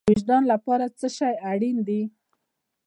د وجدان لپاره څه شی اړین دی؟